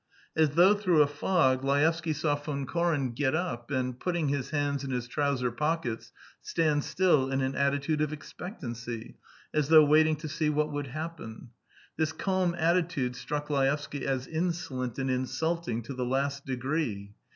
As though through a fog, Laevsky saw Von Koren get up and, putting his hands in his trouser pockets, stand still in an attitude of expectancy, as though waiting to see what would happen. This calm attitude struck Laevsky as insolent and insulting to the last degree.